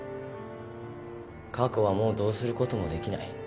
過去はもうどうすることもできない。